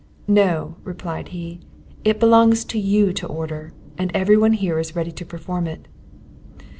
"No," replied he, "it belongs to you to order, and every one here is ready to perform it."